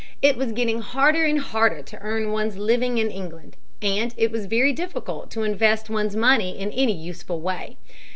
It was getting harder and harder to earn one's living in England, and it was very difficult to invest one's money in any useful way.